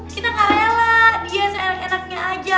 kita gak rela dia seenak enaknya aja